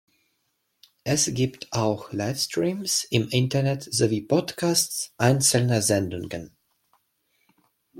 Es gibt auch Livestreams im Internet sowie Podcasts einzelner Sendungen.